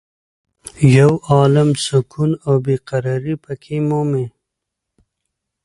یو عالم سکون او بې قرارې په کې مومې.